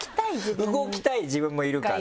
動きたい自分もいるから。